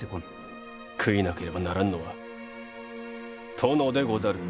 悔いなければならんのは殿でござる。